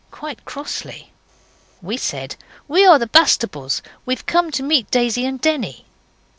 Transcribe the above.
quite crossly. We said, 'We are the Bastables; we've come to meet Daisy and Denny.